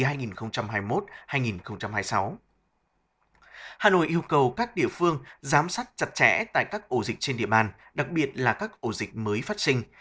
hà nội yêu cầu các địa phương giám sát chặt chẽ tại các ổ dịch trên địa bàn đặc biệt là các ổ dịch mới phát sinh